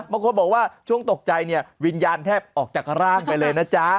บางคนบอกว่าช่วงตกใจเนี่ยวิญญาณแทบออกจากร่างไปเลยนะจ๊ะ